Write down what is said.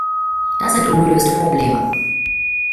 Das sind ungelöste Probleme.